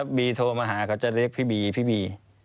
ถ้าบีโทรมาหาก็จะเรียกพี่บี